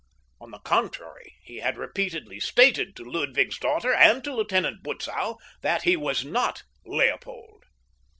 On the contrary he had repeatedly stated to Prince Ludwig's daughter and to Lieutenant Butzow that he was not Leopold.